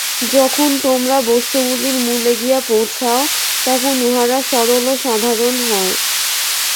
যখন তোমরা বস্তুগুলির মূলে গিয়া পৌঁছাও, তখন উহারা সরল ও সাধারণ হয়।